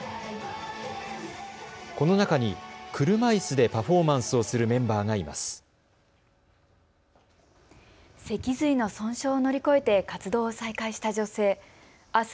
この中に車いすでパフォーマンスをするメンバーがいます。